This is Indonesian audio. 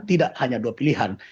tidak hanya dua pilihan